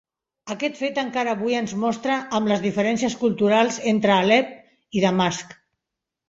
Aquest fet encara avui ens mostra amb les diferències culturals entre Alep i Damasc.